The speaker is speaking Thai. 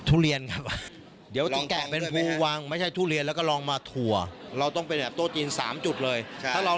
ต้องเลือกได้เขาจะเลือกกินอะไรครับ